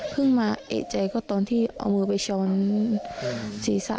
มาเอกใจก็ตอนที่เอามือไปช้อนศีรษะ